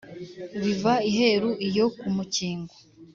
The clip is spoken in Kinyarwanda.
biva iheru iyo ku mukingo